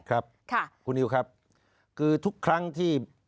ครับคุณนิวครับคือทุกครั้งที่